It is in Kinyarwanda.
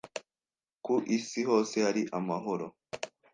Ku isi hose hari amahoro.